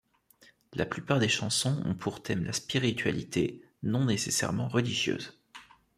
La plupart des chansons ont pour thème la spiritualité, non nécessairement religieuse.